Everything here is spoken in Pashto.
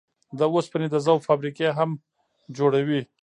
د اوسپنې د ذوب فابريکې هم جوړوي.